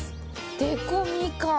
でこみかん。